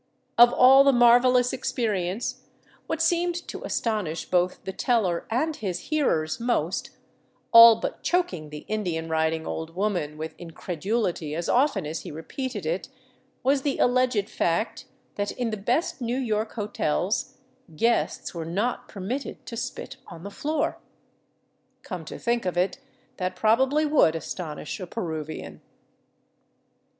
Of all the marvelous experience, what seemed to astonish both the teller and his hearers most, all but choking the Indian riding old woman with in credulity as often as he repeated it, was the alleged fact that in the best New York hotels guests were not permitted to spit on the floor. Come to think of it, that probably would astonish a Peruvian.